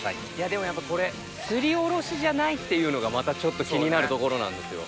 でもやっぱこれすりおろしじゃないっていうのがまたちょっと気になるところなんですよ。